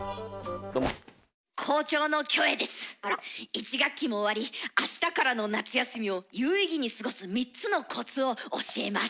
１学期も終わりあしたからの夏休みを有意義に過ごす３つのコツを教えます。